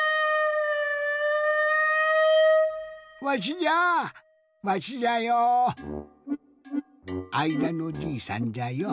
わしじゃあ！